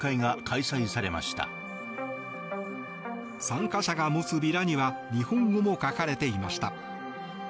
参加者が持つビラには日本語も書かれていました。